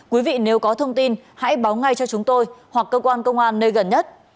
quý vị nếu có thông tin hãy báo ngay cho chúng tôi hoặc cơ quan công an nơi gần nhất